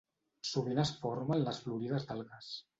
Sovint es forma en les florides d'algues.